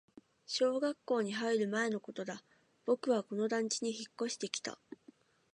小学校に入る前のことだ、僕はこの団地に引っ越してきた